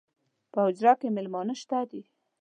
پۀ حجره کې میلمانۀ شته دي